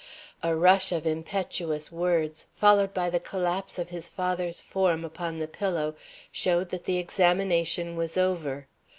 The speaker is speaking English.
A rush of impetuous words followed by the collapse of his father's form upon the pillow showed that the examination was over.